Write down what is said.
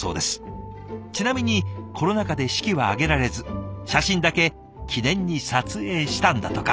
ちなみにコロナ禍で式は挙げられず写真だけ記念に撮影したんだとか。